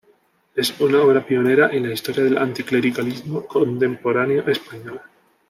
Es una obra pionera en la historia del anticlericalismo contemporáneo español.